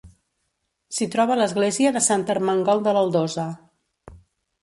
S'hi troba l'església de Sant Ermengol de l'Aldosa.